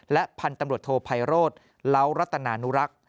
และพตโทษภัยโรศล้าวรัตนานุรักษ์